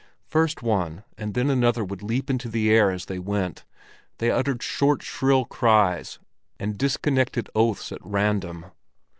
First one and then another would leap into the air as they went; they uttered short, shrill cries and disconnected oaths at random.